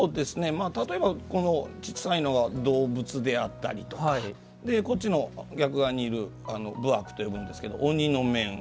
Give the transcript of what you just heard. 例えば、この小さいのが動物であったりとかこっちの、逆側武悪というんですが鬼の面。